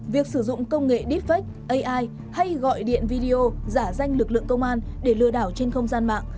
việc sử dụng công nghệ deepfake ai hay gọi điện video giả danh lực lượng công an để lừa đảo trên không gian mạng